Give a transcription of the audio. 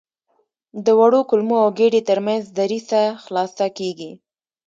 د وړو کولمو او ګیدې تر منځ دریڅه خلاصه کېږي.